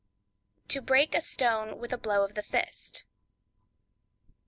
To Break a Stone with a Blow of the Fist.